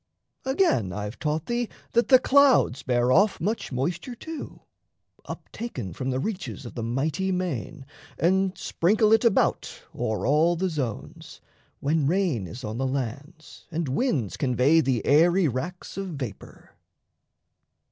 Again, I've taught thee that the clouds bear off Much moisture too, up taken from the reaches Of the mighty main, and sprinkle it about O'er all the zones, when rain is on the lands And winds convey the aery racks of vapour.